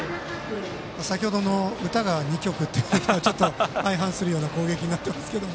先程の歌が２曲というのとはちょっと相反するような攻撃になっていますけれども。